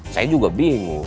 saya juga bingung